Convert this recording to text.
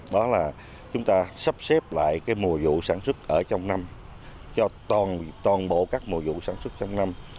đó là chúng ta sắp xếp lại cái mùa vụ sản xuất ở trong năm cho toàn bộ các mùa vụ sản xuất trong năm